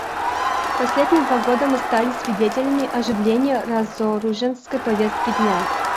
В последние два года мы стали свидетелями оживления разоруженческой повестки дня.